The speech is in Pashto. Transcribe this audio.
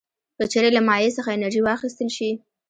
که چیرې له مایع څخه انرژي واخیستل شي.